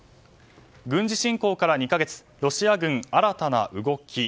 軍事侵攻から２か月ロシア軍、新たな動き。